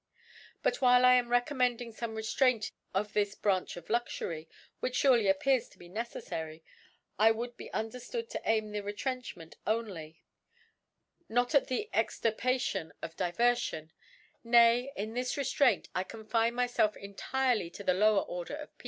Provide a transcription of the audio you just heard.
But while I am recommending fome Re ftrainc of this Branch of Luxury, which furely appeats to be neceilary, I would be underftood to aim at the Retrenchment on* ly, not at the Extirpation of Divcrfion 5 nay, and in this Reftraint, I confine myfelf entirely to the lower Order of Peopk.